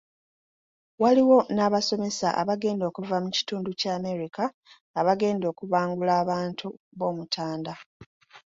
Waliwo n’abasomesa abagenda okuva mu kitundu kya Amerika abagenda okubangula abantu b’Omutanda.